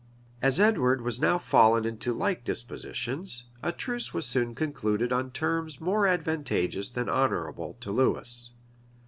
[] As Edward was now fallen into like dispositions, a truce was soon concluded on terms more advantageous than honorable to Lewis.